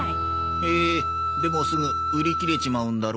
へえーでもすぐ売り切れちまうんだろうな。